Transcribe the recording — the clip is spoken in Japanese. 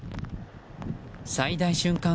最大瞬間